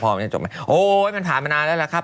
โอ้วมันผ่านมานานแล้วนะครับ